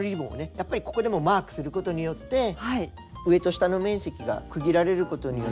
やっぱりここでもマークすることによって上と下の面積が区切られることによって。